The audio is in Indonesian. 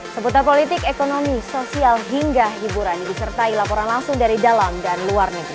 seputar politik ekonomi sosial hingga hiburan disertai laporan langsung dari dalam dan luar negeri